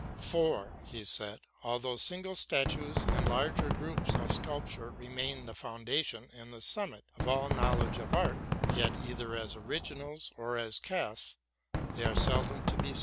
'* For,'' he said, '* although single statues and larger groups of sculpture yemain the foundation and the summit of all knowledge of art, yet, either as originals or as casts, they are seldom to be RELATING TO MY LIFE.